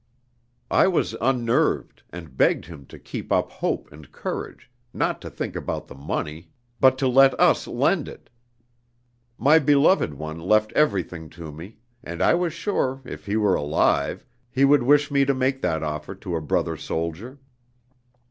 "I was unnerved, and begged him to keep up hope and courage not to think about the money, but to let us lend it. My beloved one left everything to me; and I was sure, if he were alive, he would wish me to make that offer to a brother soldier.